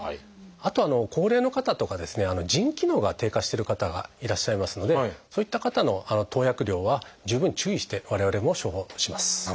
あと高齢の方とかですね腎機能が低下してる方がいらっしゃいますのでそういった方の投薬量は十分注意して我々も処方します。